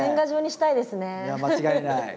いや間違いない。